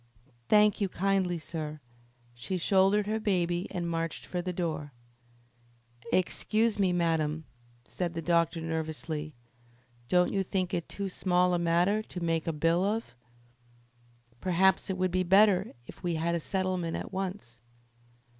"Thank you kindly, sir." She shouldered her baby and marched for the door. "Excuse me, madam," said the doctor nervously. "Don't you think it too small a matter to make a bill of? Perhaps it would be better if we had a settlement at once."